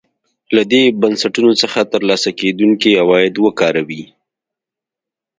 له دې بنسټونو څخه ترلاسه کېدونکي عواید وکاروي.